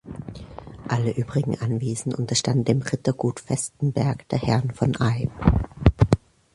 Alle übrigen Anwesen unterstanden dem Rittergut Vestenberg der Herren von Eyb.